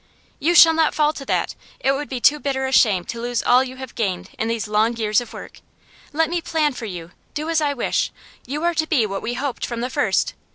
'You shall not fall to that! It would be too bitter a shame to lose all you have gained in these long years of work. Let me plan for you; do as I wish. You are to be what we hoped from the first.